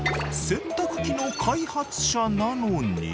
洗濯機の開発者なのに。